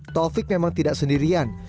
tofik memang tidak sendirian